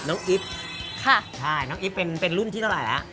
น้องอิ๊บค่ะใช่น้องอิ๊บเป็นเป็นรุ่นที่เท่าไรล่ะ